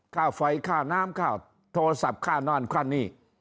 ค่าไฟค่าน้ำค่าโทรศัพท์ค่านั่นค่านี่